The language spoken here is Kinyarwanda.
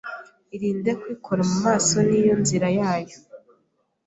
Irinde kwikora mu maso niyo nzira yayo